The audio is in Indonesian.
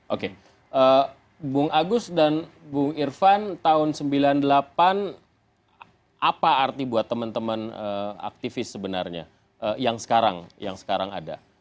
oke bung agus dan bung irvan tahun sembilan puluh delapan apa arti buat temen temen aktivis sebenarnya yang sekarang ada